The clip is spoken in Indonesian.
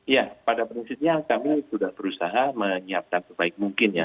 ya pada prinsipnya kami sudah berusaha menyiapkan sebaik mungkin ya